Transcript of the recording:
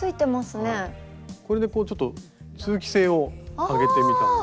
これでこうちょっと通気性を上げてみたんですけど。